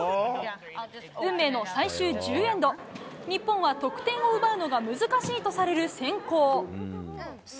運命の最終１０エンド、日本は得点を奪うのが難しいとされる先攻。